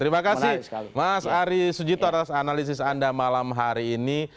terima kasih mas ari sujito atas analisis anda malam hari ini